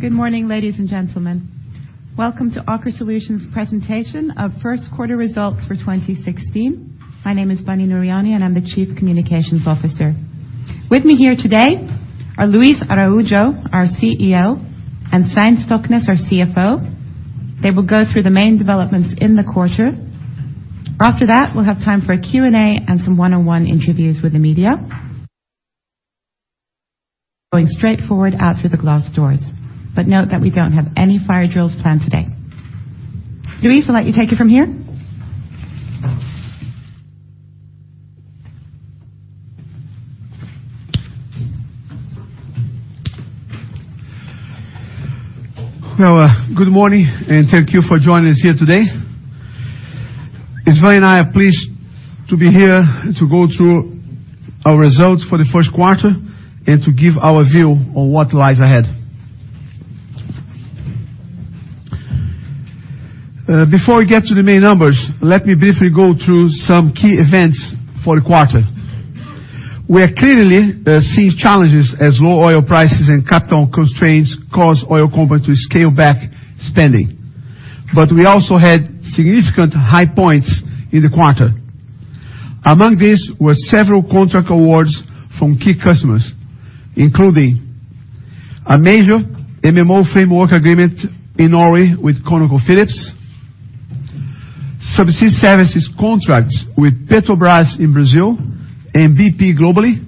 Good morning, ladies and gentlemen. Welcome to Aker Solutions presentation of first quarter results for 2016. My name is Bunny Nooryani, I'm the Chief Communications Officer. With me here today are Luis Araujo, our CEO, and Svein Stoknes, our CFO. They will go through the main developments in the quarter. After that, we'll have time for a Q&A and some one-on-one interviews with the media. Going straight forward out through the glass doors, note that we don't have any fire drills planned today. Luis, I'll let you take it from here. Good morning, and thank you for joining us here today. Svein and I are pleased to be here and to go through our results for the first quarter and to give our view on what lies ahead. Before we get to the main numbers, let me briefly go through some key events for the quarter. We are clearly seeing challenges as low oil prices and capital constraints cause oil companies to scale back spending. We also had significant high points in the quarter. Among these were several contract awards from key customers, including a major MMO framework agreement in Norway with ConocoPhillips, Subsea services contracts with Petrobras in Brazil and BP globally,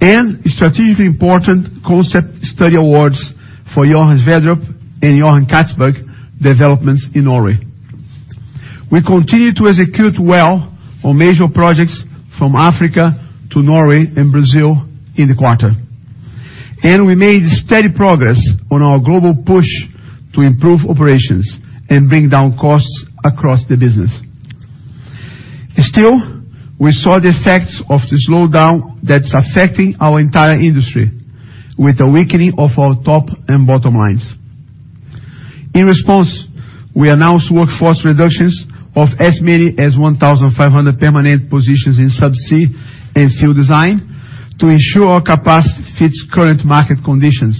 and strategically important concept study awards for Johan Sverdrup and Johan Castberg developments in Norway. We continue to execute well on major projects from Africa to Norway and Brazil in the quarter. We made steady progress on our global push to improve operations and bring down costs across the business. Still, we saw the effects of the slowdown that's affecting our entire industry with a weakening of our top and bottom lines. In response, we announced workforce reductions of as many as 1,500 permanent positions in Subsea and field design to ensure our capacity fits current market conditions.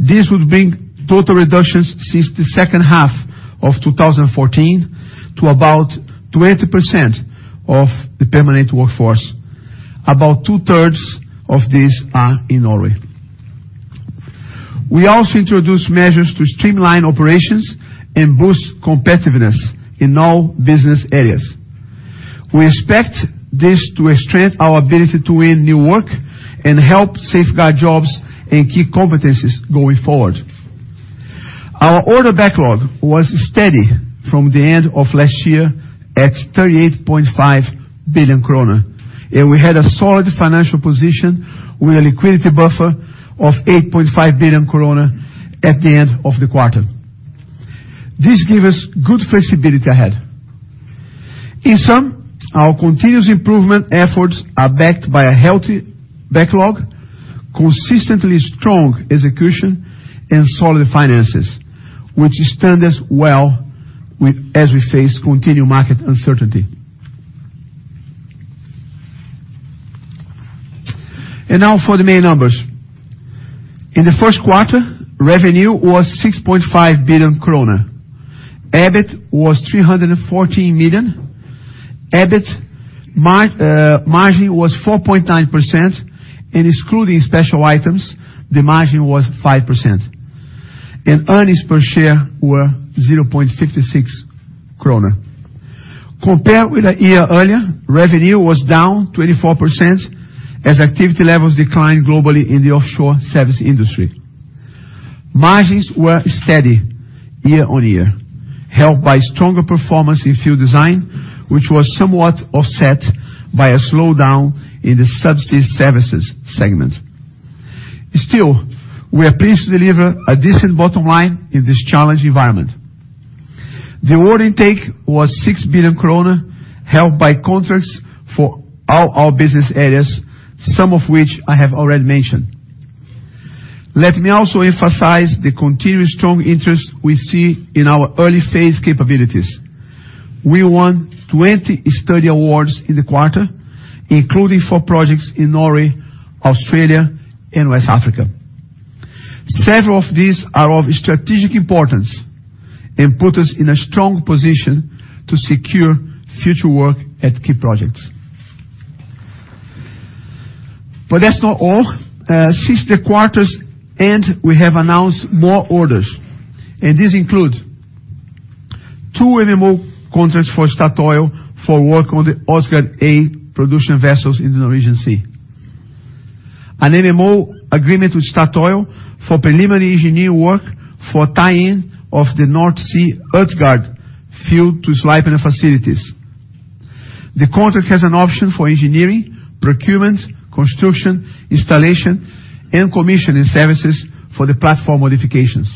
This would bring total reductions since the second half of 2014 to about 20% of the permanent workforce. About 2/3 of these are in Norway. We also introduced measures to streamline operations and boost competitiveness in all business areas. We expect this to strengthen our ability to win new work and help safeguard jobs and key competencies going forward. Our order backlog was steady from the end of last year at 38.5 billion krone, and we had a solid financial position with a liquidity buffer of 8.5 billion krone at the end of the quarter. This give us good flexibility ahead. In sum, our continuous improvement efforts are backed by a healthy backlog, consistently strong execution, and solid finances, which stand us well as we face continued market uncertainty. Now for the main numbers. In the first quarter, revenue was 6.5 billion krone. EBIT was 314 million. EBIT margin was 4.9%, and excluding special items, the margin was 5%. Earnings per share were 0.56 kroner. Compared with a year earlier, revenue was down 24% as activity levels declined globally in the offshore service industry. Margins were steady year-on-year, helped by stronger performance in field design, which was somewhat offset by a slowdown in the Subsea services segment. Still, we are pleased to deliver a decent bottom line in this challenged environment. The order intake was 6 billion kroner, helped by contracts for all our business areas, some of which I have already mentioned. Let me also emphasize the continued strong interest we see in our early phase capabilities. We won 20 study awards in the quarter, including four projects in Norway, Australia, and West Africa. Several of these are of strategic importance and put us in a strong position to secure future work at key projects. That's not all. Since the quarter's end, we have announced more orders, and these include two MMO contracts for Statoil for work on the Åsgard A production vessels in the Norwegian Sea. An MMO agreement with Statoil for preliminary engineering work for tie-in of the North Sea Utsira High to Sleipner facilities. The contract has an option for engineering, procurement, construction, installation, and commissioning services for the platform modifications.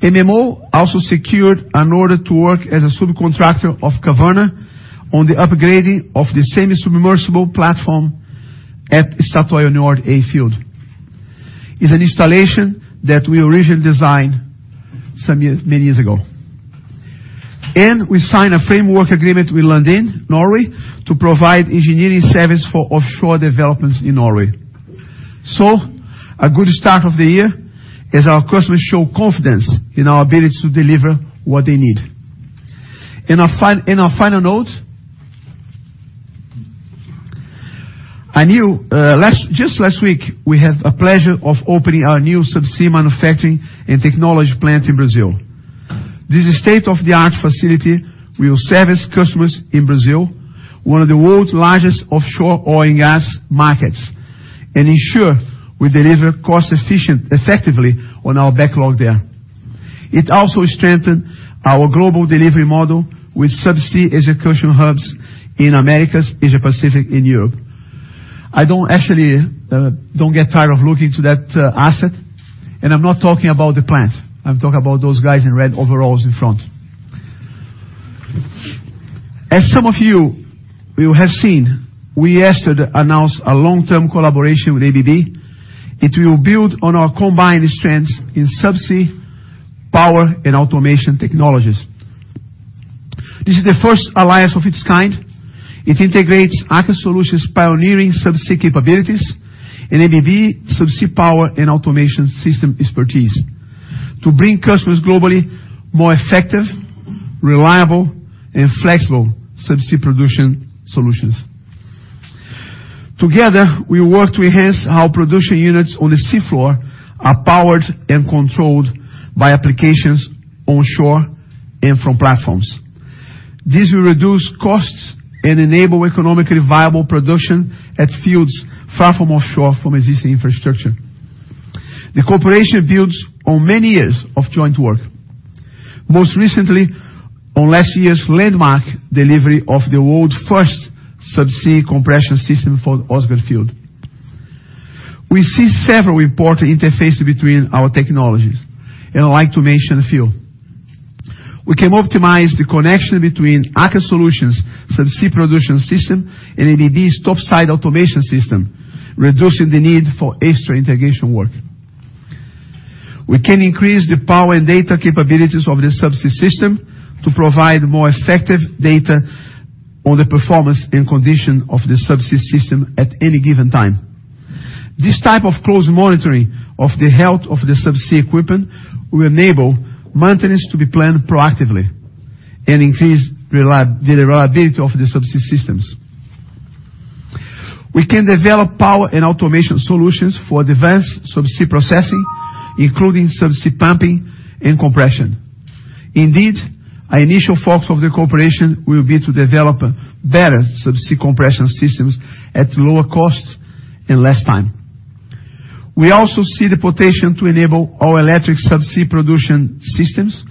MMO also secured an order to work as a subcontractor of Kvaerner on the upgrading of the semi-submersible platform at Statoil Njord A field. It's an installation that we originally designed many years ago. We signed a framework agreement with Lundin Norway to provide engineering service for offshore developments in Norway. A good start of the year as our customers show confidence in our ability to deliver what they need. In our final note, I knew, just last week, we had a pleasure of opening our new Subsea manufacturing and technology plant in Brazil. This state-of-the-art facility will service customers in Brazil, one of the world's largest offshore oil and gas markets, and ensure we deliver cost efficient effectively on our backlog there. It also strengthened our global delivery model with Subsea execution hubs in Americas, Asia Pacific and Europe. I don't actually get tired of looking to that asset, and I'm not talking about the plant. I'm talking about those guys in red overalls in front. As some of you will have seen, we yesterday announced a long-term collaboration with ABB. It will build on our combined strengths in Subsea power and automation technologies. This is the first alliance of its kind. It integrates Aker Solutions' pioneering Subsea capabilities and ABB Subsea power and automation system expertise to bring customers globally more effective, reliable, and flexible Subsea production solutions. Together, we work to enhance how production units on the sea floor are powered and controlled by applications onshore and from platforms. This will reduce costs and enable economically viable production at fields far from offshore from existing infrastructure. The cooperation builds on many years of joint work, most recently on last year's landmark delivery of the world's first Subsea compression system for the Åsgard field. We see several important interfaces between our technologies, and I'd like to mention a few. We can optimize the connection between Aker Solutions Subsea production system and ABB's topside automation system, reducing the need for extra integration work. We can increase the power and data capabilities of the Subsea system to provide more effective data on the performance and condition of the Subsea system at any given time. This type of close monitoring of the health of the Subsea equipment will enable maintenance to be planned proactively and increase the reliability of the Subsea systems. We can develop power and automation solutions for advanced Subsea processing, including Subsea pumping and compression. Indeed, our initial focus of the cooperation will be to develop better Subsea compression systems at lower costs in less time. We also see the potential to enable our electric Subsea production systems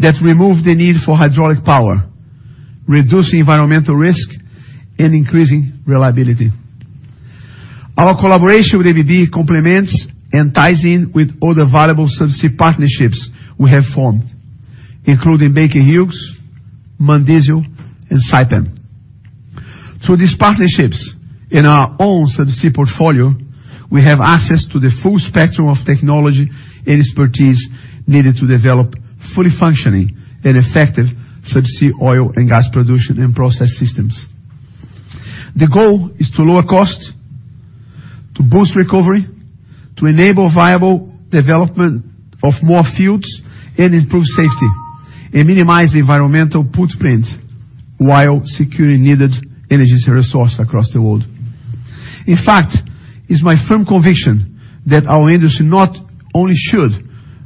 that remove the need for hydraulic power, reducing environmental risk and increasing reliability. Our collaboration with ABB complements and ties in with other valuable Subsea partnerships we have formed, including Baker Hughes, MAN Diesel and Saipem. Through these partnerships and our own Subsea portfolio, we have access to the full spectrum of technology and expertise needed to develop fully functioning and effective Subsea oil and gas production and process systems. The goal is to lower cost, to boost recovery, to enable viable development of more fields and improve safety, and minimize the environmental footprint while securing needed energy resources across the world. In fact, it's my firm conviction that our industry not only should,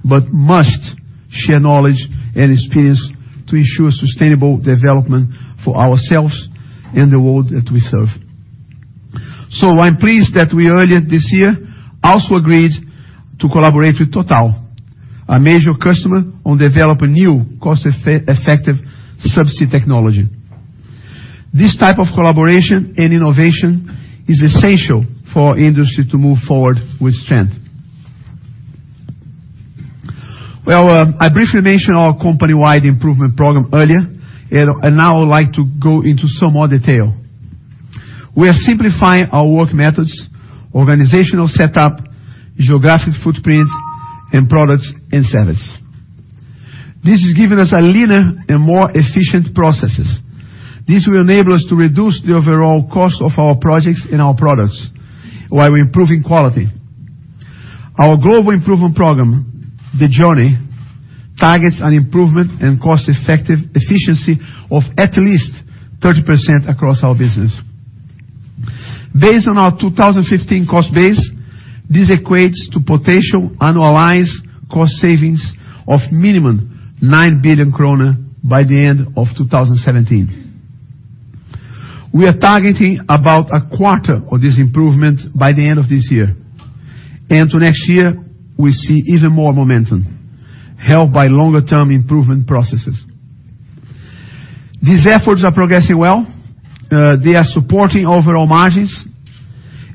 but must share knowledge and experience to ensure sustainable development for ourselves and the world that we serve. I'm pleased that we earlier this year also agreed to collaborate with Total, a major customer, on developing new cost-effective Subsea technology. This type of collaboration and innovation is essential for our industry to move forward with strength. Well, I briefly mentioned our company-wide improvement program earlier, and now I would like to go into some more detail. We are simplifying our work methods, organizational setup, geographic footprint, and products and service. This has given us a leaner and more efficient processes. This will enable us to reduce the overall cost of our projects and our products while improving quality. Our global improvement program, The Journey, targets an improvement and cost-effective efficiency of at least 30% across our business. Based on our 2015 cost base, this equates to potential annualized cost savings of minimum 9 billion kroner by the end of 2017. We are targeting about a quarter of this improvement by the end of this year. To next year, we see even more momentum, helped by longer term improvement processes. They are supporting overall margins,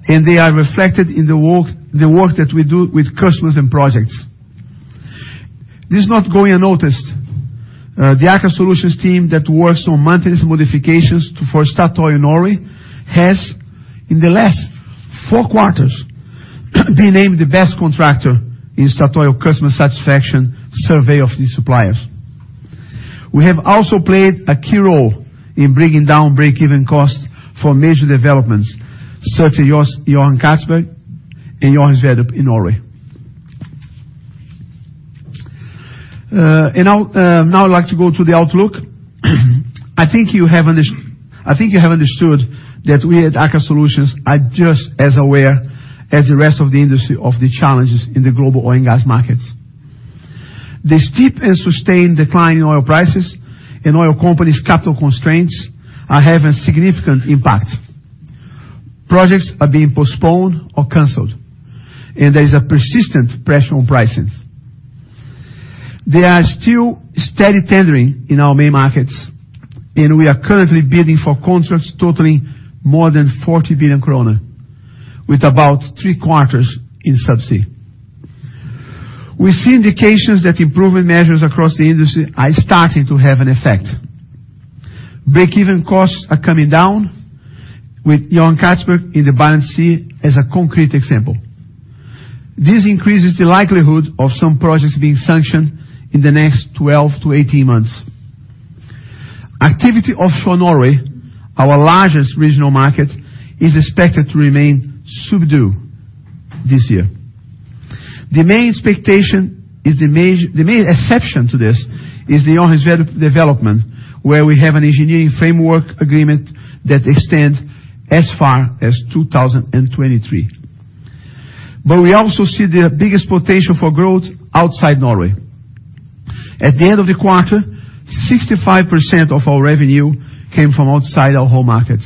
and they are reflected in the work that we do with customers and projects. This is not going unnoticed. The Aker Solutions team that works on maintenance modifications for Statoil Norway has, in the last four quarters, Be named the best contractor in Statoil customer satisfaction survey of these suppliers. We have also played a key role in bringing down break-even costs for major developments, such as Johan Castberg and Johan Sverdrup in Norway. Now, I'd like to go to the outlook. I think you have understood that we at Aker Solutions are just as aware as the rest of the industry of the challenges in the global oil and gas markets. The steep and sustained decline in oil prices and oil companies' capital constraints are having significant impact. Projects are being postponed or canceled, there is a persistent pressure on pricing. There are still steady tendering in our main markets, and we are currently bidding for contracts totaling more than 40 billion krone, with about three-quarters in Subsea. We see indications that improvement measures across the industry are starting to have an effect. Break-even costs are coming down, with Johan Castberg in the Barents Sea as a concrete example. This increases the likelihood of some projects being sanctioned in the next 12-18 months. Activity offshore Norway, our largest regional market, is expected to remain subdued this year. The main exception to this is the Johan Sverdrup development, where we have an engineering framework agreement that extends as far as 2023. We also see the biggest potential for growth outside Norway. At the end of the quarter, 65% of our revenue came from outside our home market.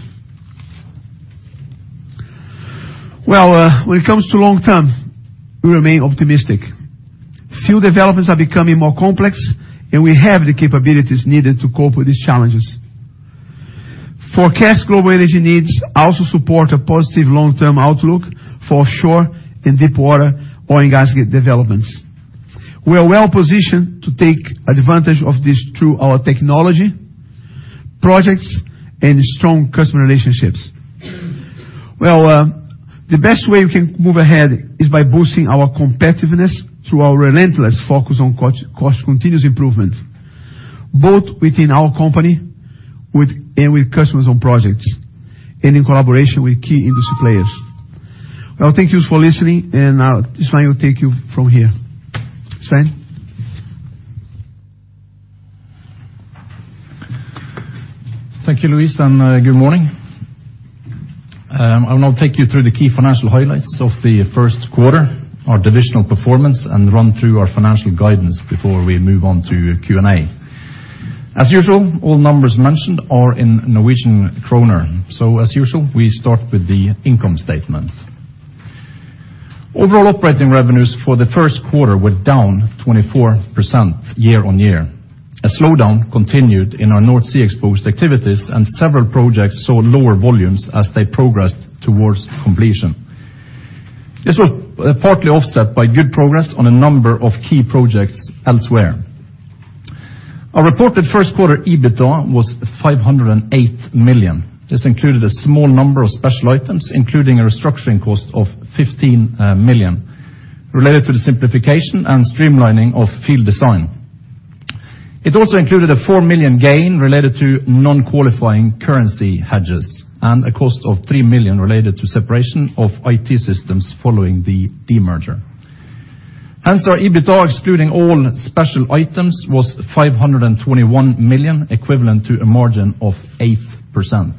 Well, when it comes to long term, we remain optimistic. Field developments are becoming more complex, and we have the capabilities needed to cope with these challenges. Forecast global energy needs also support a positive long-term outlook for offshore and deepwater oil and gas developments. We are well-positioned to take advantage of this through our technology, projects, and strong customer relationships. Well, the best way we can move ahead is by boosting our competitiveness through our relentless focus on cost, continuous improvement, both within our company, with and with customers on projects, and in collaboration with key industry players. Well, thank you for listening, and Svein will take you from here. Svein? Thank you, Luis, good morning. I'll now take you through the key financial highlights of the first quarter, our divisional performance, and run through our financial guidance before we move on to Q&A. As usual, all numbers mentioned are in Norwegian kroner. As usual, we start with the income statement. Overall operating revenues for the first quarter were down 24% year-on-year. A slowdown continued in our North Sea-exposed activities, several projects saw lower volumes as they progressed towards completion. This was partly offset by good progress on a number of key projects elsewhere. Our reported first quarter EBITDA was 508 million. This included a small number of special items, including a restructuring cost of 15 million related to the simplification and streamlining of field design. It also included a 4 million gain related to non-qualifying currency hedges and a cost of 3 million related to separation of IT systems following the demerger. Our EBITDA, excluding all special items, was 521 million, equivalent to a margin of 8%.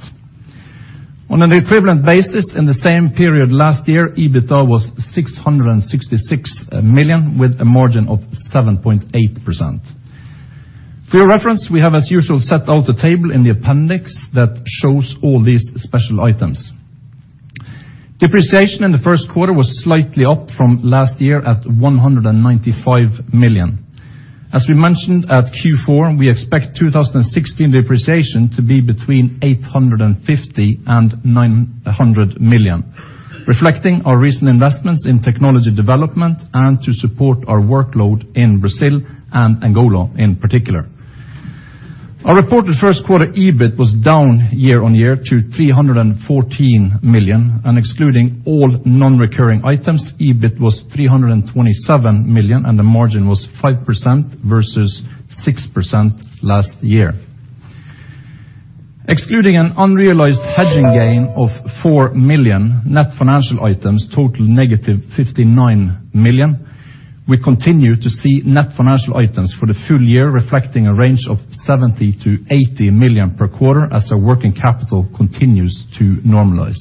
On an equivalent basis, in the same period last year, EBITDA was 666 million, with a margin of 7.8%. For your reference, we have as usual set out a table in the appendix that shows all these special items. Depreciation in the first quarter was slightly up from last year at 195 million. As we mentioned at Q4, we expect 2016 depreciation to be between 850 million and 900 million, reflecting our recent investments in technology development and to support our workload in Brazil and Angola in particular. Our reported first quarter EBIT was down year-on-year to 314 million, and excluding all non-recurring items, EBIT was 327 million, and the margin was 5% versus 6% last year. Excluding an unrealized hedging gain of 4 million, net financial items totaled -59 million. We continue to see net financial items for the full year reflecting a range of 70 million to 80 million per quarter as our working capital continues to normalize.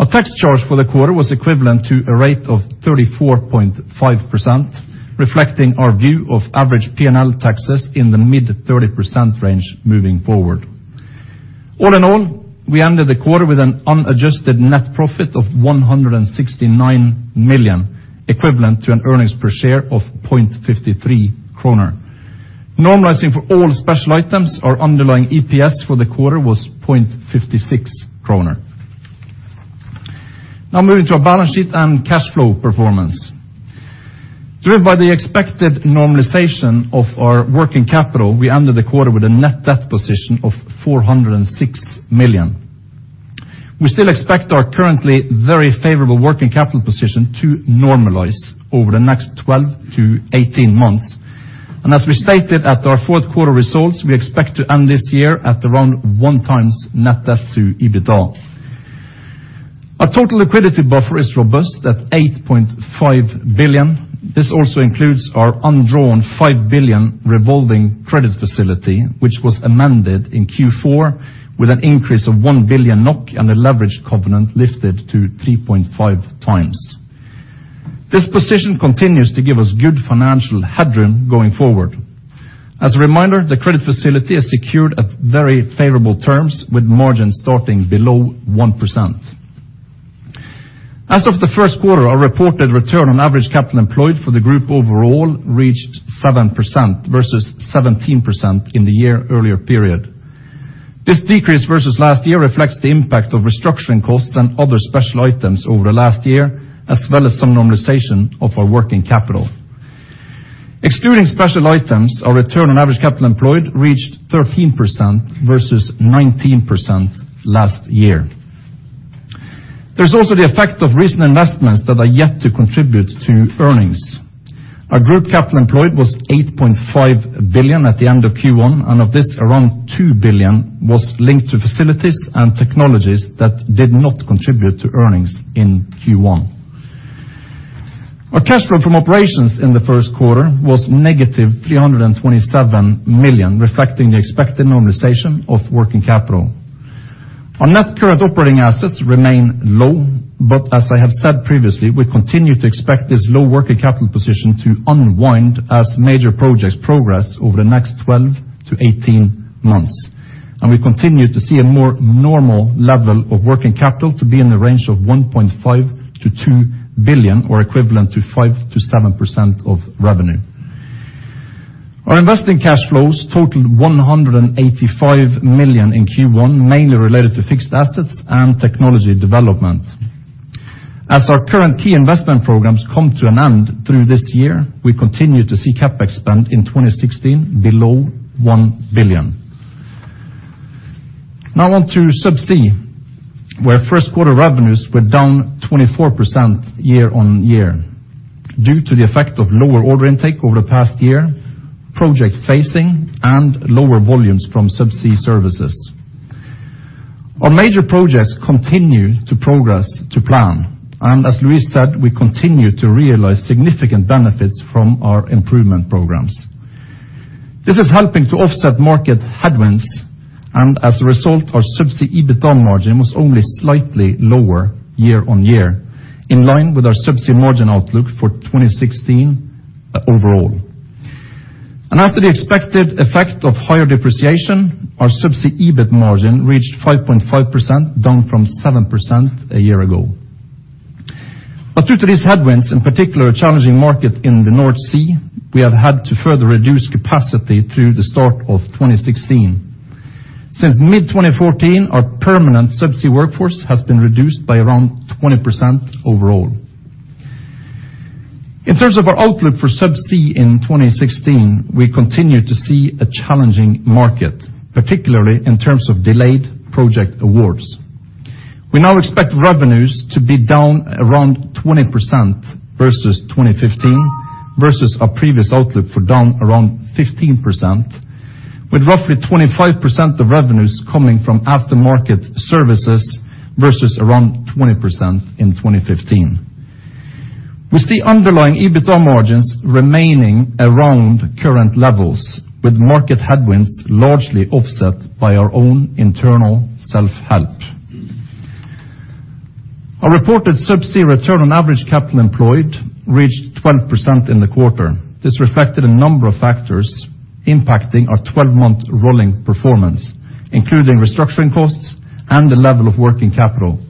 Our tax charge for the quarter was equivalent to a rate of 34.5%, reflecting our view of average P&L taxes in the mid-30% range moving forward. All in all, we ended the quarter with an unadjusted net profit of 169 million, equivalent to an earnings per share of 0.53 kroner. Normalizing for all special items, our underlying EPS for the quarter was 0.56 kroner. Now moving to our balance sheet and cash flow performance. Driven by the expected normalization of our working capital, we ended the quarter with a net debt position of 406 million. We still expect our currently very favorable working capital position to normalize over the next 12-18 months. As we stated at our fourth quarter results, we expect to end this year at around 1x net debt to EBITDA. Our total liquidity buffer is robust at 8.5 billion. This also includes our undrawn 5 billion revolving credit facility, which was amended in Q4 with an increase of 1 billion NOK and a leverage covenant lifted to 3.5x. This position continues to give us good financial headroom going forward. As a reminder, the credit facility is secured at very favorable terms, with margins starting below 1%. As of the first quarter, our reported return on average capital employed for the group overall reached 7% versus 17% in the year-earlier period. This decrease versus last year reflects the impact of restructuring costs and other special items over the last year, as well as some normalization of our working capital. Excluding special items, our return on average capital employed reached 13% versus 19% last year. There's also the effect of recent investments that are yet to contribute to earnings. Our group capital employed was 8.5 billion at the end of Q1. Of this, around 2 billion was linked to facilities and technologies that did not contribute to earnings in Q1. Our cash flow from operations in the first quarter was negative 327 million, reflecting the expected normalization of working capital. Our net current operating assets remain low. As I have said previously, we continue to expect this low working capital position to unwind as major projects progress over the next 12-18 months. We continue to see a more normal level of working capital to be in the range of 1.5 billion-2 billion or equivalent to 5%-7% of revenue. Our investing cash flows totaled 185 million in Q1, mainly related to fixed assets and technology development. As our current key investment programs come to an end through this year, we continue to see CapEx spend in 2016 below 1 billion. On to Subsea, where first quarter revenues were down 24% year-on-year due to the effect of lower order intake over the past year, project phasing, and lower volumes from Subsea Services. Our major projects continue to progress to plan, as Luis said, we continue to realize significant benefits from our improvement programs. This is helping to offset market headwinds, and as a result, our Subsea EBITDA margin was only slightly lower year-on-year, in line with our Subsea margin outlook for 2016 overall. After the expected effect of higher depreciation, our Subsea EBIT margin reached 5.5%, down from 7% a year ago. Due to these headwinds, in particular a challenging market in the North Sea, we have had to further reduce capacity through the start of 2016. Since mid-2014, our permanent Subsea workforce has been reduced by around 20% overall. In terms of our outlook for Subsea in 2016, we continue to see a challenging market, particularly in terms of delayed project awards. We now expect revenues to be down around 20% versus 2015 versus our previous outlook for down around 15%, with roughly 25% of revenues coming from after-market services versus around 20% in 2015. We see underlying EBITDA margins remaining around current levels, with market headwinds largely offset by our own internal self-help. Our reported Subsea return on average capital employed reached 12% in the quarter. This reflected a number of factors impacting our 12-month rolling performance, including restructuring costs and the level of working capital.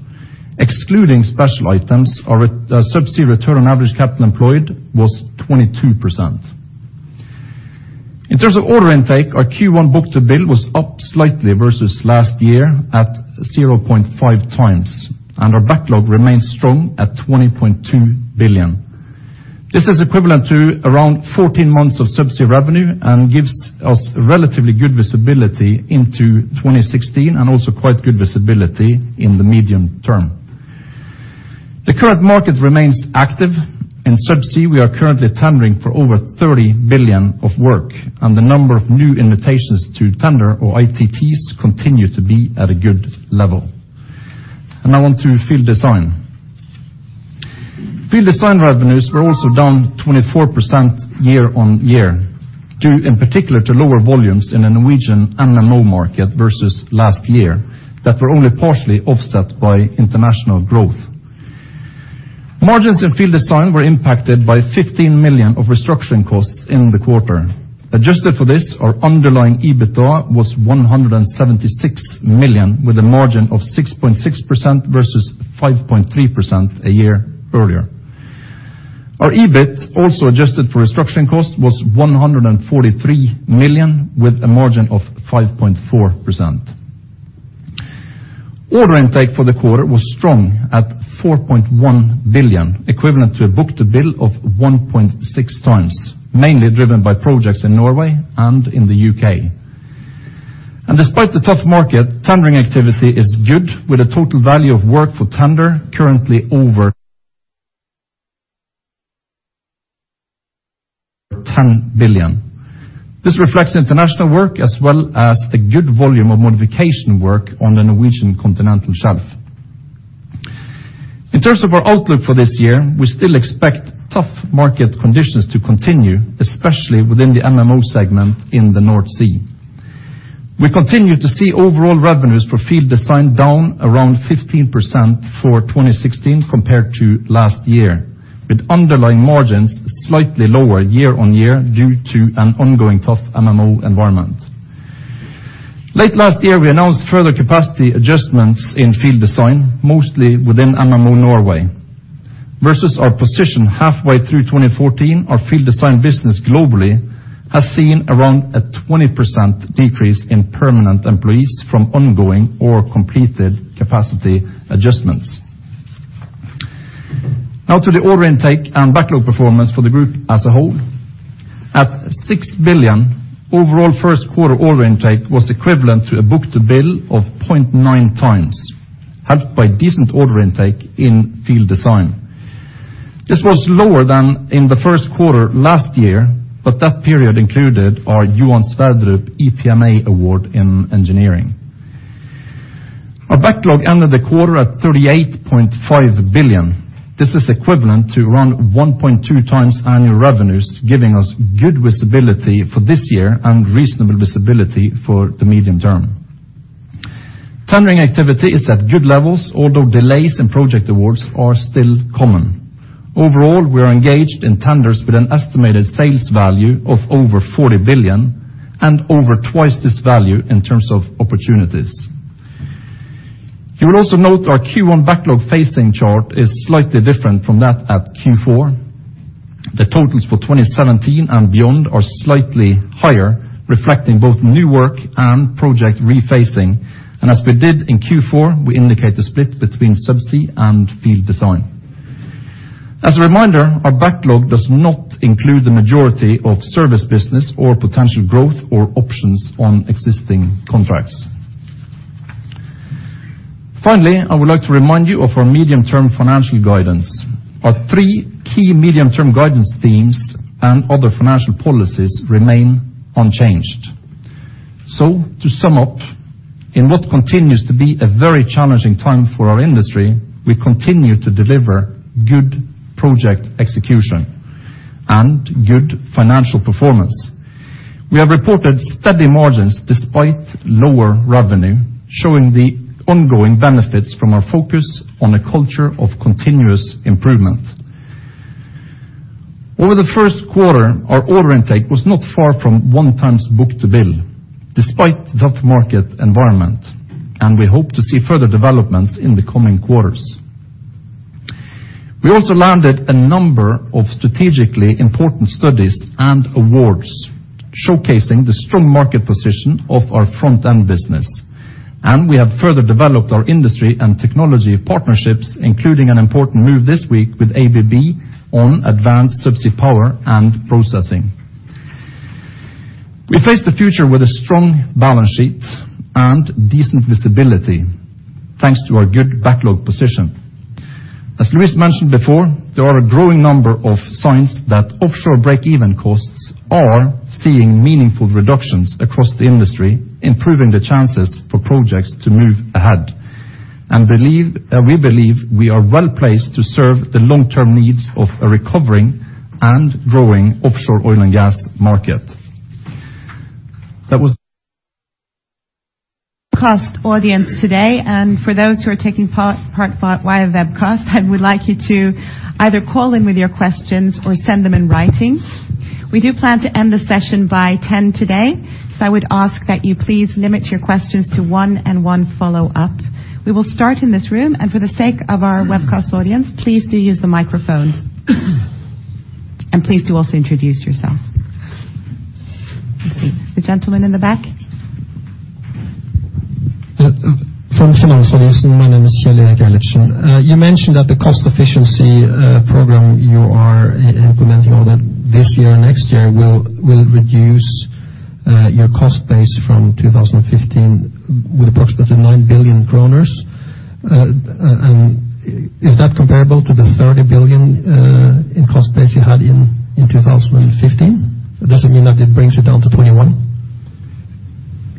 Excluding special items, our Subsea return on average capital employed was 22%. In terms of order intake, our Q1 book-to-bill was up slightly versus last year at 0.5x, and our backlog remains strong at 20.2 billion. This is equivalent to around 14 months of Subsea revenue and gives us relatively good visibility into 2016 and also quite good visibility in the medium term. The current market remains active. In Subsea, we are currently tendering for over 30 billion of work, and the number of new Invitations to Tender or ITTs continue to be at a good level. Now on to Field Design. Field Design revenues were also down 24% year-on-year, due in particular to lower volumes in the Norwegian and the U.K. market versus last year that were only partially offset by international growth. Margins in Field Design were impacted by 15 million of restructuring costs in the quarter. Adjusted for this, our underlying EBITDA was 176 million, with a margin of 6.6% versus 5.3% a year earlier. Our EBIT, also adjusted for restructuring costs, was 143 million, with a margin of 5.4%. Order intake for the quarter was strong at 4.1 billion, equivalent to a book-to-bill of 1.6 times, mainly driven by projects in Norway and in the U.K. Despite the tough market, tendering activity is good, with a total value of work for tender currently over 10 billion. This reflects international work as well as the good volume of modification work on the Norwegian continental shelf. In terms of our outlook for this year, we still expect tough market conditions to continue, especially within the MMO segment in the North Sea. We continue to see overall revenues for Field Design down around 15% for 2016 compared to last year, with underlying margins slightly lower year on year due to an ongoing tough MMO environment. Late last year, we announced further capacity adjustments in Field Design, mostly within MMO Norway. Versus our position halfway through 2014, our Field Design business globally has seen around a 20% decrease in permanent employees from ongoing or completed capacity adjustments. Now to the order intake and backlog performance for the group as a whole. At 6 billion, overall first quarter order intake was equivalent to a book-to-bill of 0.9x, helped by decent order intake in Field Design. This was lower than in the first quarter last year, but that period included our Johan Sverdrup EPMA award in engineering. Our backlog ended the quarter at 38.5 billion. This is equivalent to around 1.2x annual revenues, giving us good visibility for this year and reasonable visibility for the medium term. Tendering activity is at good levels, although delays in project awards are still common. Overall, we are engaged in tenders with an estimated sales value of over 40 billion and over 2x this value in terms of opportunities. You will also note our Q1 backlog phasing chart is slightly different from that at Q4. The totals for 2017 and beyond are slightly higher, reflecting both new work and project rephasing. As we did in Q4, we indicate the split between Subsea and Field Design. As a reminder, our backlog does not include the majority of service business or potential growth or options on existing contracts. Finally, I would like to remind you of our medium-term financial guidance. Our three key medium-term guidance themes and other financial policies remain unchanged. To sum up, in what continues to be a very challenging time for our industry, we continue to deliver good project execution and good financial performance. We have reported steady margins despite lower revenue, showing the ongoing benefits from our focus on a culture of continuous improvement. Over the first quarter, our order intake was not far from 1x book-to-bill, despite the tough market environment. We hope to see further developments in the coming quarters. We also landed a number of strategically important studies and awards, showcasing the strong market position of our front-end business. We have further developed our industry and technology partnerships, including an important move this week with ABB on advanced Subsea power and processing. We face the future with a strong balance sheet and decent visibility, thanks to our good backlog position. As Luis mentioned before, there are a growing number of signs that offshore break-even costs are seeing meaningful reductions across the industry, improving the chances for projects to move ahead. We believe we are well-placed to serve the long-term needs of a recovering and growing offshore oil and gas market. [webcast] audience today. For those who are taking part via webcast, I would like you to either call in with your questions or send them in writing. We do plan to end the session by 10:00 A.M. today. I would ask that you please limit your questions to one and one follow-up. We will start in this room, and for the sake of our webcast audience, please do use the microphone. Please do also introduce yourself. Let's see, the gentleman in the back. my name is [Kjell Erik Gjelseth]. You mentioned that the cost efficiency program you are implementing this year or next year will reduce your cost base from 2015 with approximately 9 billion kroner. And is that comparable to the 30 billion in cost base you had in 2015? Does it mean that it brings it down to 21 billion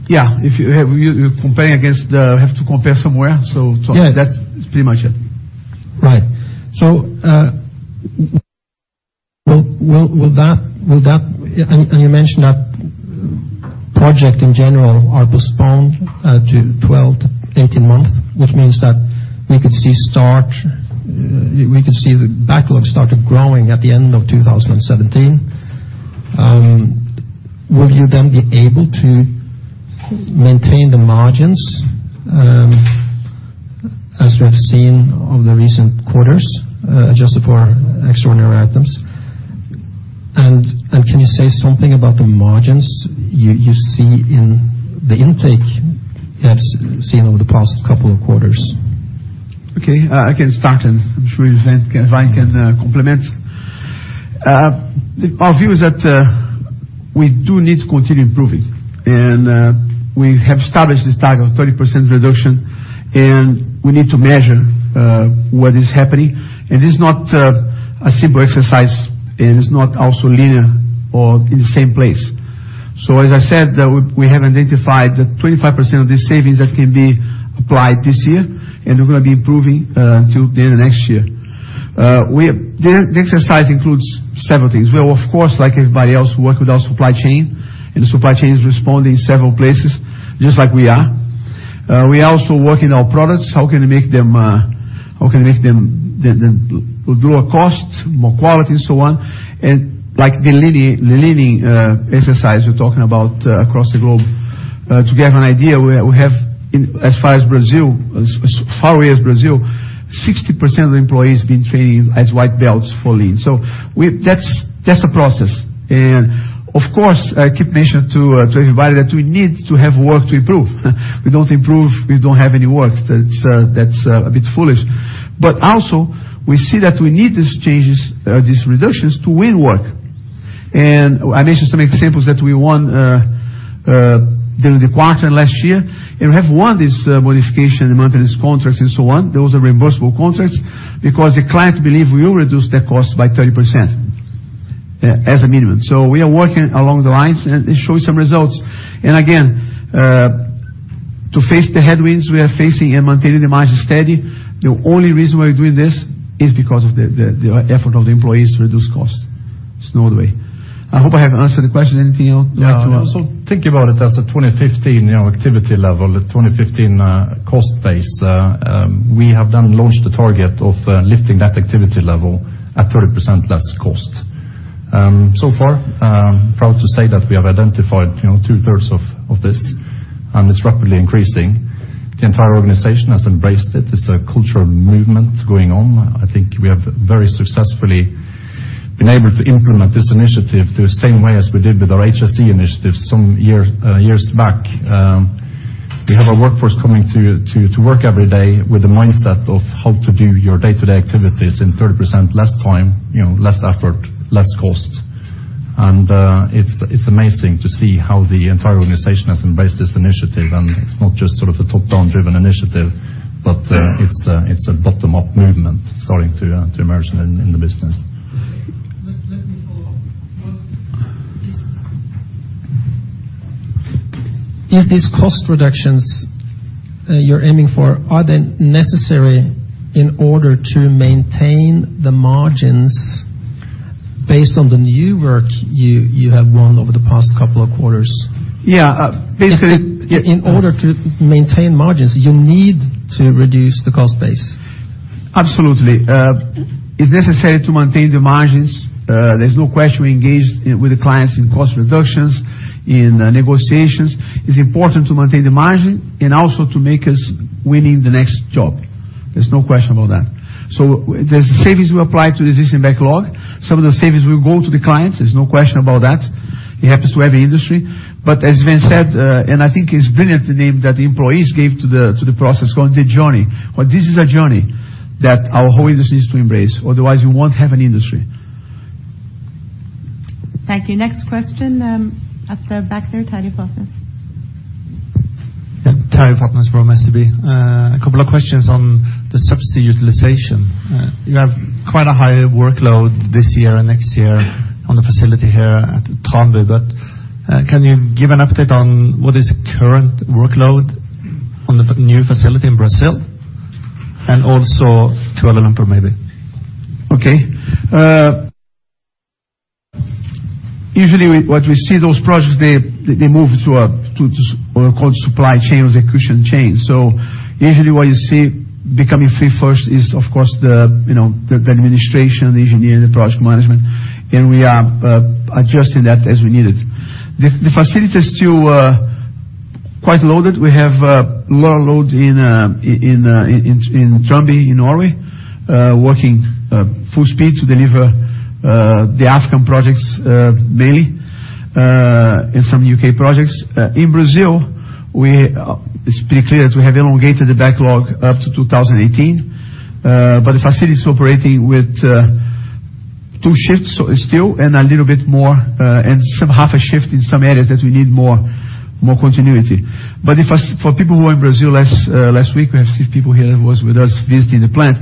Yeah, if you compare against. You have to compare somewhere. Yeah. That's pretty much it. Right. Will that... You mentioned that projects in general are postponed to 12-18 months, which means that we could see the backlog started growing at the end of 2017. Will you then be able to maintain the margins as we have seen over the recent quarters, adjusted for extraordinary items? Can you say something about the margins you see in the intake that's seen over the past couple of quarters? Okay. I can start, and I'm sure Svein can complement. Our view is that we do need to continue improving, and we have established this target of 30% reduction, and we need to measure what is happening. It is not a simple exercise. It is not also linear or in the same place. As I said, we have identified that 25% of these savings that can be applied this year, and we're gonna be improving till the end of next year. The exercise includes several things. Well, of course, like everybody else, we work with our supply chain, and the supply chain is responding in several places, just like we are. We also work in our products. How can we make them, how can we make them lower cost, more quality, so on? Like the leaning exercise we're talking about across the globe. To give an idea, we have in as far as Brazil, as far away as Brazil, 60% of the employees have been training as white belts for lean. That's a process. Of course, I keep mentioning to everybody that we need to have work to improve. We don't improve, we don't have any work. That's, that's a bit foolish. Also, we see that we need these changes, these reductions to win work. I mentioned some examples that we won during the quarter last year. We have won this modification and maintenance contracts and so on. Those are reimbursable contracts because the client believe we will reduce their cost by 30% as a minimum. We are working along the lines and show some results. Again, to face the headwinds we are facing and maintaining the margin steady, the only reason we're doing this is because of the effort of the employees to reduce costs. There's no other way. I hope I have answered the question. Anything else you would like to add? Yeah. Also think about it as a 2015, you know, activity level, a 2015 cost base. We have done launched the target of lifting that activity level at 30% less cost. So far, proud to say that we have identified, you know, 2/3 of this, and it's rapidly increasing. The entire organization has embraced it. It's a cultural movement going on. I think we have very successfully been able to implement this initiative the same way as we did with our HSE initiative some year years back. We have a workforce coming to work every day with the mindset of how to do your day-to-day activities in 30% less time, you know, less effort, less cost. It's amazing to see how the entire organization has embraced this initiative. It's not just sort of a top-down driven initiative, but, it's a, it's a bottom-up movement starting to emerge in the, in the business. Let me follow up. Is these cost reductions, you're aiming for, are they necessary in order to maintain the margins based on the new work you have won over the past couple of quarters? Yeah. In order to maintain margins, you need to reduce the cost base. Absolutely. It's necessary to maintain the margins. There's no question we engage with the clients in cost reductions, in negotiations. It's important to maintain the margin and also to make us winning the next job. There's no question about that. There's the savings we apply to the existing backlog. Some of the savings will go to the clients, there's no question about that. It happens to every industry. As Svein said, and I think it's brilliant, the name that the employees gave to the process, calling it The Journey. This is a journey that our whole industry needs to embrace. Otherwise, we won't have an industry. Thank you. Next question, at the back there, Terje Fatnes. Yeah, Terje Fatnes from SEB. A couple of questions on the Subsea utilization. You have quite a high workload this year and next year on the facility here at Trondheim. Can you give an update on what is the current workload on the new facility in Brazil and also to Kuala Lumpur maybe? Okay. What we see those projects, they move through a, or called supply chain or execution chain. Usually what you see becoming free first is, of course, the, you know, the administration, the engineering, the project management, and we are adjusting that as we need it. The facility is still quite loaded. We have lower loads in Trondheim in Norway, working full speed to deliver the African projects, mainly, and some U.K. projects. In Brazil, we, it's pretty clear that we have elongated the backlog up to 2018. The facility is operating with two shifts still and a little bit more, and some half a shift in some areas that we need more continuity. If for people who are in Brazil last week, we have six people here who was with us visiting the plant.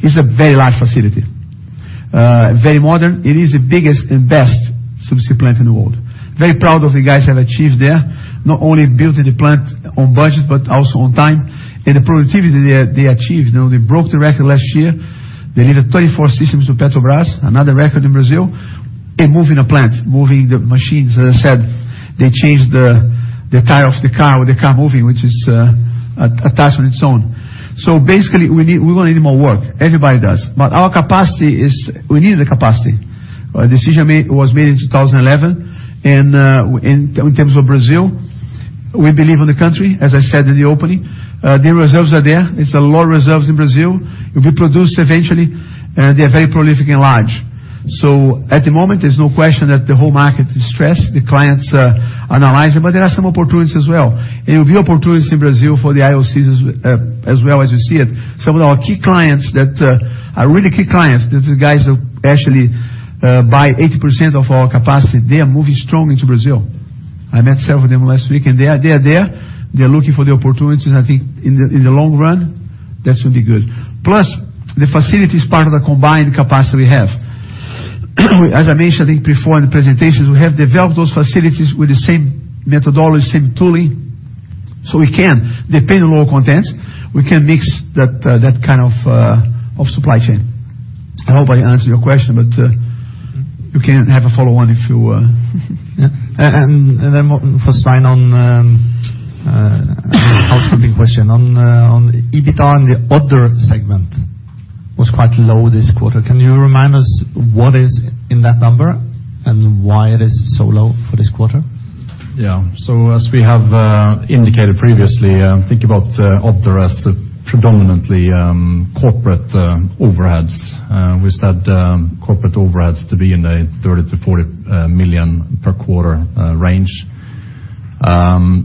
It's a very large facility, very modern. It is the biggest and best Subsea plant in the world. Very proud of the guys have achieved there, not only building the plant on budget but also on time. The productivity they achieved, you know, they broke the record last year. Delivered 34 systems to Petrobras, another record in Brazil, and moving a plant, moving the machines. As I said, they changed the tire of the car with the car moving, which is a task on its own. Basically, we wanna need more work. Everybody does. We need the capacity. A decision was made in 2011. In terms of Brazil, we believe in the country, as I said in the opening. The reserves are there. It's a lot of reserves in Brazil. Will be produced eventually, and they're very prolific and large. At the moment, there's no question that the whole market is stressed. The clients are analyzing, but there are some opportunities as well. Will be opportunities in Brazil for the IOCs as well as you see it. Some of our key clients that are really key clients. These are guys who actually buy 80% of our capacity. They are moving strong into Brazil. I met several of them last week, and they are there. They're looking for the opportunities. I think in the long run, that will be good. Plus, the facility is part of the combined capacity we have. As I mentioned, I think before in the presentations, we have developed those facilities with the same methodology, same tooling. We can, depending on oil contents, we can mix that kind of supply chain. I hope I answered your question, you can have a follow-on if you... Yeah. Then for Svein on housekeeping question. On EBITDA in the other segment was quite low this quarter. Can you remind us what is in that number and why it is so low for this quarter? As we have indicated previously, think about other as the predominantly corporate overheads. We said corporate overheads to be in a 30 million-40 million per quarter range.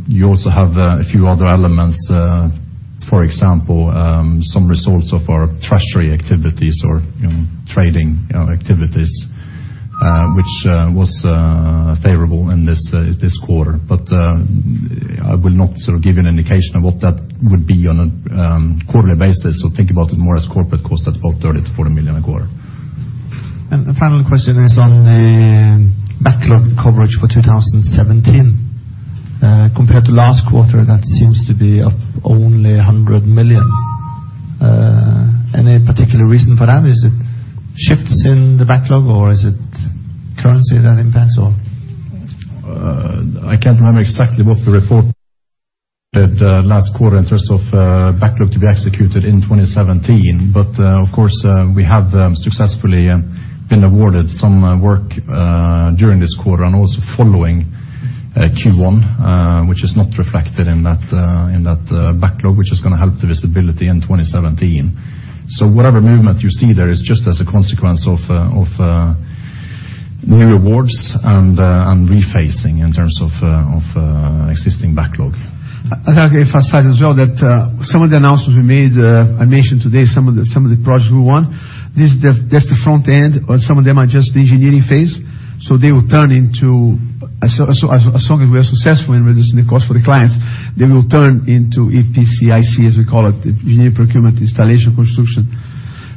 You also have a few other elements, for example, some results of our treasury activities or, you know, trading, you know, activities, which was favorable in this quarter. I will not sort of give you an indication of what that would be on a quarterly basis. Think about it more as corporate cost at about 30 million-40 million a quarter. The final question is on backlog coverage for 2017. Compared to last quarter, that seems to be up only 100 million. Any particular reason for that? Is it shifts in the backlog, or is it currency that impacts all? I can't remember exactly what the report said, last quarter in terms of backlog to be executed in 2017. Of course, we have successfully been awarded some work during this quarter and also following Q1, which is not reflected in that in that backlog, which is gonna help the visibility in 2017. Whatever movement you see there is just as a consequence of new awards and rephasing in terms of existing backlog. I'd like to emphasize as well that, some of the announcements we made, I mentioned today some of the projects we won. That's the front end, or some of them are just the engineering phase. They will turn into. As long as we are successful in reducing the cost for the clients, they will turn into EPCIC, as we call it, the engineering, procurement, installation, construction,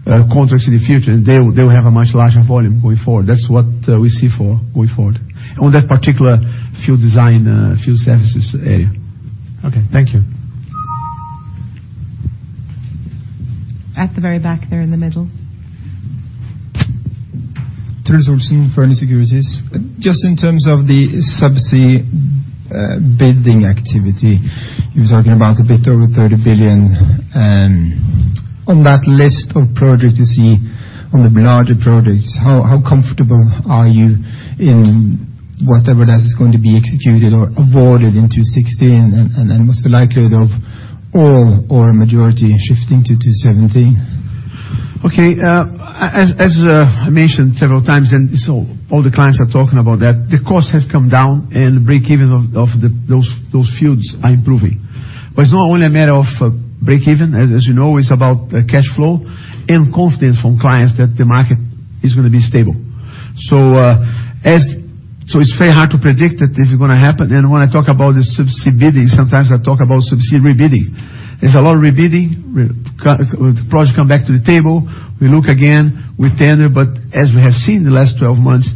contracts in the future, and they will have a much larger volume going forward. That's what, we see for going forward on that particular field design, field services area. Okay, thank you. At the very back there in the middle. Truls Olsen from Fearnley Securities. Just in terms of the Subsea bidding activity, you were talking about a bit over 30 billion. On that list of projects you see on the larger projects, how comfortable are you in whatever that is going to be executed or awarded in 2016? What's the likelihood of all or majority shifting to 2017? Okay. As I mentioned several times, and so all the clients are talking about that, the costs have come down and the break-even of the fields are improving. It's not only a matter of break-even. As you know, it's about cash flow and confidence from clients that the market is gonna be stable. It's very hard to predict that if it's gonna happen, and when I talk about the Subsea bidding, sometimes I talk about Subsea rebidding. There's a lot of rebidding. The project come back to the table, we look again, we tender. As we have seen in the last 12 months,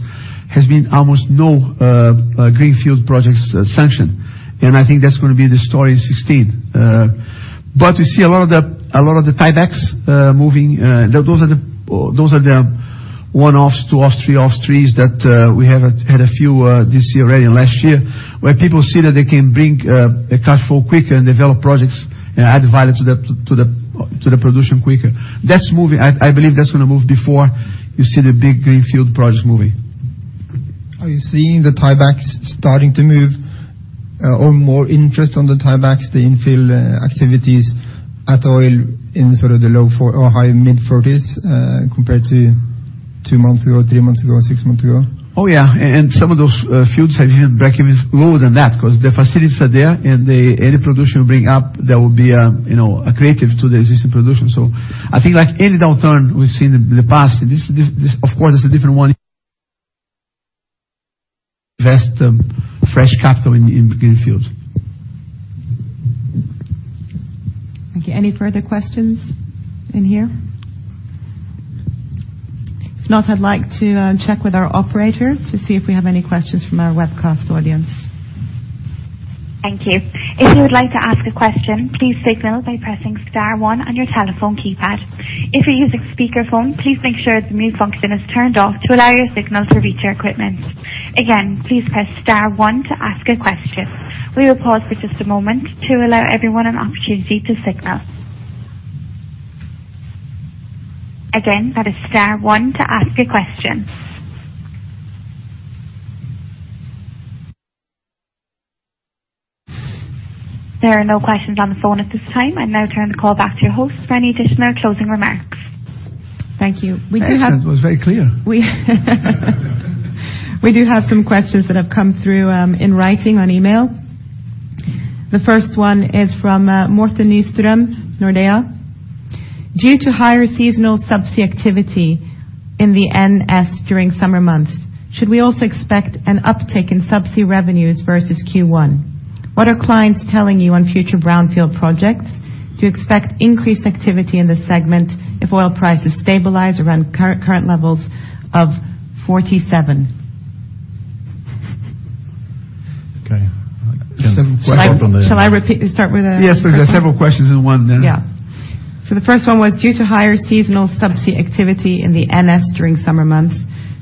has been almost no greenfield projects sanctioned. I think that's gonna be the story in 2016. We see a lot of the tiebacks moving. Those are the one-offs, two-offs, three-offs, threes that we have had a few this year already and last year, where people see that they can bring the cash flow quicker and develop projects and add value to the production quicker. That's moving. I believe that's gonna move before you see the big greenfield projects moving. Are you seeing the tiebacks starting to move, or more interest on the tiebacks, the infill, activities at oil in sort of the low or high mid-40s%, compared to two months ago, three months ago, six months ago? Oh, yeah. Some of those fields have even break-evens lower than that because the facilities are there, and any production we bring up, that will be, you know, accretive to the existing production. I think like any downturn we've seen in the past, and this of course is a different one invest fresh capital in greenfield. Thank you. Any further questions in here? If not, I'd like to check with our operator to see if we have any questions from our webcast audience. Thank you. If you would like to ask a question, please signal by pressing star one on your telephone keypad. If you're using speakerphone, please make sure the mute function is turned off to allow your signal to reach our equipment. Again, please press star one to ask a question. We will pause for just a moment to allow everyone an opportunity to signal. Again, that is star one to ask a question. There are no questions on the phone at this time. I now turn the call back to your host for any additional closing remarks. Thank you. Excellent. It was very clear. We do have some questions that have come through in writing on email. The first one is from Morten Nystrøm, Nordea. Due to higher seasonal Subsea activity in the NS during summer months, should we also expect an uptick in Subsea revenues versus Q1? What are clients telling you on future brownfield projects? Do you expect increased activity in the segment if oil prices stabilize around current levels of 47? Okay. Shall I start with? Yes, there are several questions in one then. Yeah. The first one was due to higher seasonal Subsea activity in the NS during summer months,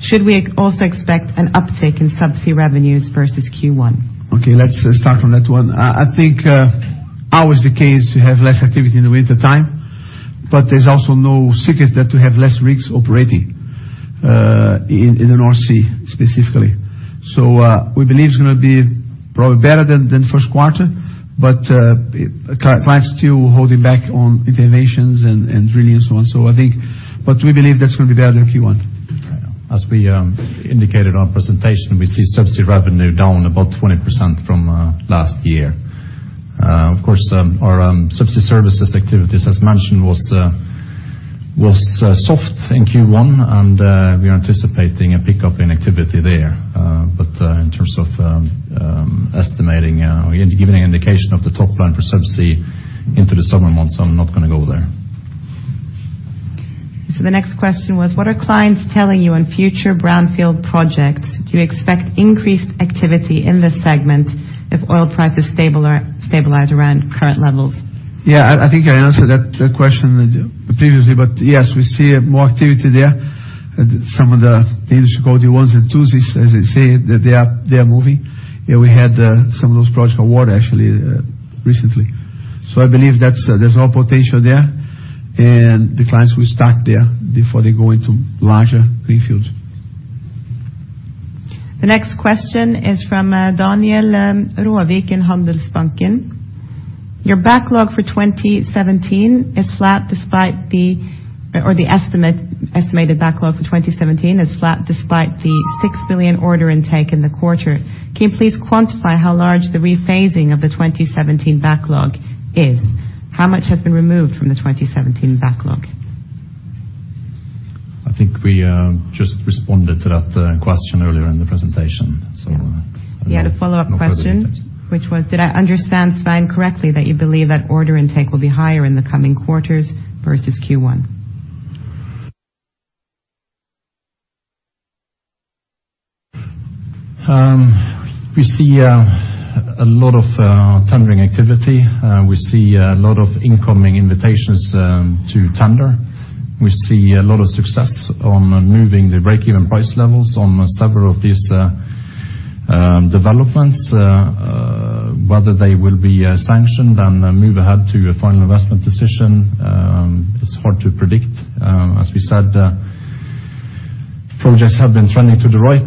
should we also expect an uptick in Subsea revenues versus Q1? Okay, let's start from that one. I think, always the case, you have less activity in the wintertime, but there's also no secret that we have less rigs operating in the North Sea specifically. we believe it's gonna be probably better than first quarter, but clients still holding back on interventions and drilling and so on. I think. we believe that's gonna be better than Q1. As we indicated on presentation, we see Subsea revenue down about 20% from last year. Of course, our Subsea services activities, as mentioned, was soft in Q1, and we are anticipating a pickup in activity there. In terms of estimating, giving an indication of the top line for Subsea into the summer months, I'm not gonna go there. The next question was, what are clients telling you on future brownfield projects? Do you expect increased activity in this segment as oil prices stabilize around current levels? Yeah, I think I answered that question previously. Yes, we see more activity there. Some of the industry called the ones and twos, as they say, they are moving. We had some of those projects awarded actually recently. I believe that's there's all potential there, and the clients will start there before they go into larger greenfields. The next question is from Daniel Råvik in Handelsbanken. The estimated backlog for 2017 is flat despite the 6 billion order intake in the quarter. Can you please quantify how large the rephasing of the 2017 backlog is? How much has been removed from the 2017 backlog? I think we just responded to that question earlier in the presentation. Yeah. He had a follow-up question, which was, did I understand Svein correctly that you believe that order intake will be higher in the coming quarters versus Q1? We see a lot of tendering activity. We see a lot of incoming invitations to tender. We see a lot of success on moving the break-even price levels on several of these developments. Whether they will be sanctioned and move ahead to a final investment decision is hard to predict. As we said, projects have been trending to the right.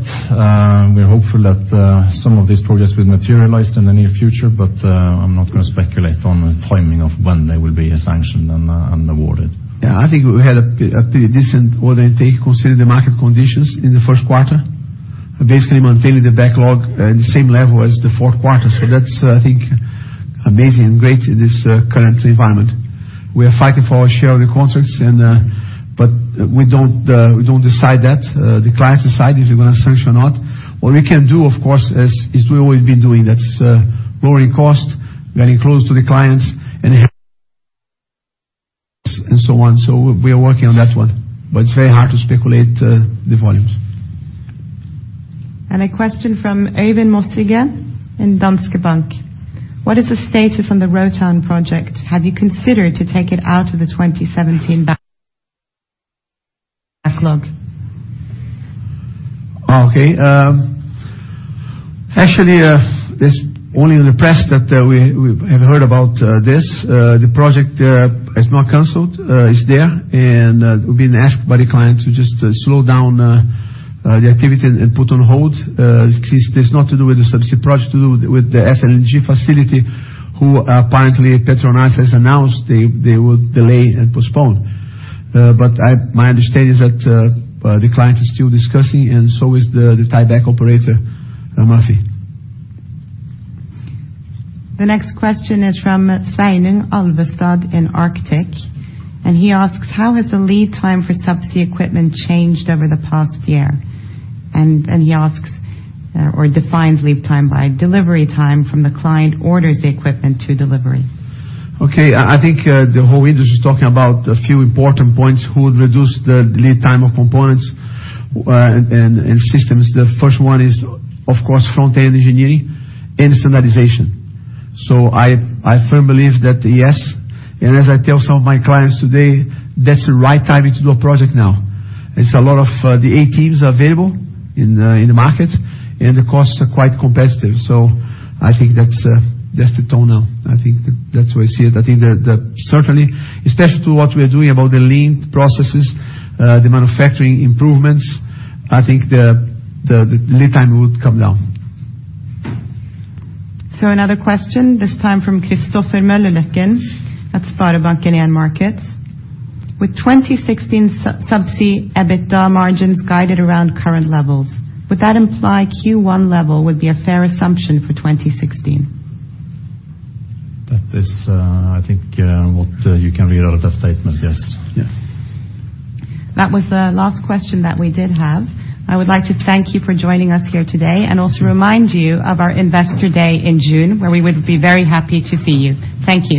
We're hopeful that some of these projects will materialize in the near future, but I'm not gonna speculate on the timing of when they will be sanctioned and awarded. I think we had a pretty decent order intake considering the market conditions in the first quarter. Basically maintaining the backlog at the same level as the fourth quarter. That's, I think, amazing and great in this current environment. We are fighting for our share of the contracts, but we don't decide that. The clients decide if they're gonna sanction or not. What we can do, of course, is doing what we've been doing. That's lowering costs, getting close to the clients, and [so on so we are working on that one but it's very hard to speculatre the volumes]. A question from Olav Tveit Mosvold in Danske Bank. What is the status on the Rotan project? Have you considered to take it out of the 2017 backlog? Okay. Actually, this only in the press that we have heard about this. The project is not canceled. It's there, and we've been asked by the client to just slow down the activity and put on hold. This is not to do with the Subsea project. To do with the FLNG facility, who apparently PETRONAS has announced they would delay and postpone. My understanding is that the client is still discussing and so is the tieback operator, Murphy. The next question is from Sveinung Alvestad in Arctic, and he asks, "How has the lead time for Subsea equipment changed over the past year?" He asks, or defines lead time by delivery time from the client orders the equipment to delivery. Okay. I think the whole industry is talking about a few important points who would reduce the lead time of components and systems. The first one is, of course, front-end engineering and standardization. I firm believe that, yes. As I tell some of my clients today, that's the right timing to do a project now. It's a lot of the A teams available in the market, and the costs are quite competitive. I think that's that's the tone now. I think that's the way I see it. I think the certainly, especially to what we are doing about the lean processes, the manufacturing improvements, I think the lead time would come down. Another question, this time from Christopher Møllerløkken at SpareBank 1 Markets. With 2016 Subsea EBITDA margins guided around current levels, would that imply Q1 level would be a fair assumption for 2016? That is, I think, what you can read out of that statement, yes. Yeah. That was the last question that we did have. I would like to thank you for joining us here today and also remind you of our investor day in June, where we would be very happy to see you. Thank you.